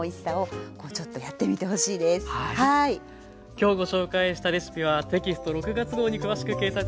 今日ご紹介したレシピはテキスト６月号に詳しく掲載されています。